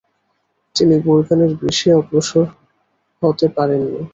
তিনি গুরগানের বেশি অগ্রসর হতে পারেননি।